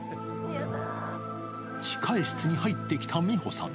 控え室に入ってきた美保さん。